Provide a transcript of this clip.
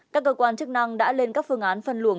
các cơ quan chức năng đã lên các phương án phân luồng